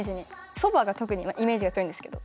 そばが特にイメージが強いんですけど。